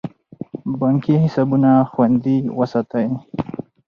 بانکي حسابونه خوندي وساتئ.